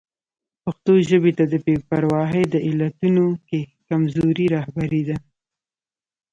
پښتو ژبې ته د بې پرواهي د علتونو کې کمزوري رهبري ده.